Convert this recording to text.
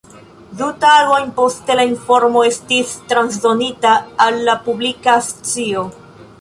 Du tagojn poste la informo estis transdonita al la publika scio.